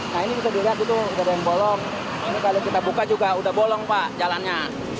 nah ini bisa dilihat itu sudah ada yang bolong ini kalau kita buka juga udah bolong pak jalannya